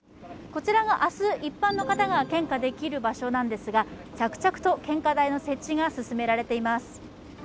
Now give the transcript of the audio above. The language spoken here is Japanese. こちらが明日、一般の方が献花できる場所なんですが着々と献花台の設置が進められています。